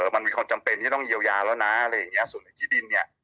มันมีความจำเป็นที่ต้องเยียวยาแล้วนะส่วนในที่ดินเนี่ย